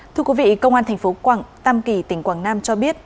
thưa quý vị công an thành phố quảng tam kỳ tỉnh quảng nam cho biết